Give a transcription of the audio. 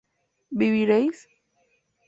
¿viviréis?